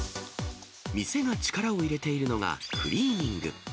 店が力を入れているのがクリーニング。